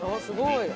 すごい。